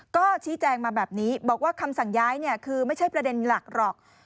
ก็ชี้แจงมาแบบนี้บอกว่าคำสั่งย้ายคือไม่ใช่ประเด็นหลักหรอก